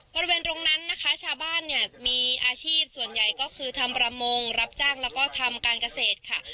บริเวณตรงนั้นนะคะชาวบ้านเนี่ยมีอาชีพส่วนใหญ่ก็คือทำประมงรับจ้างแล้วก็ทำการเกษตรค่ะ